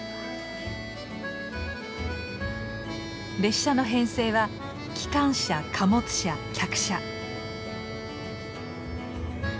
列車の編成は機関車貨物車客車。